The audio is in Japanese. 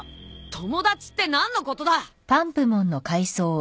友達って何のことだ？